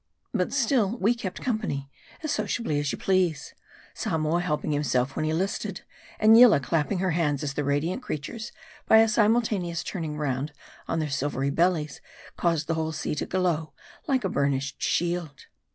$, But still we kept company ; as sociably as you please ; Sa.moa helping himself when he listed, and Yillah clapping her hands as the radiant creatures, by a simultaneous turn ing round on their silvery bellies, caused the whole sea to .glow like a burnished shield.